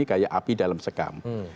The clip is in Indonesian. kayak api dalam sekam